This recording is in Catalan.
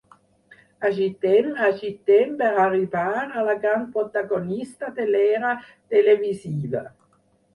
Agitem agitem per arribar a la gran protagonista de l'era televisiva.